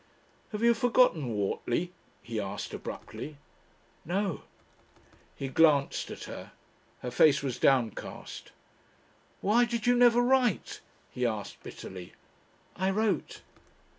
"Have you forgotten Whortley?" he asked abruptly. "No." He glanced at her; her face was downcast. "Why did you never write?" he asked bitterly. "I wrote."